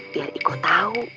biar iko tau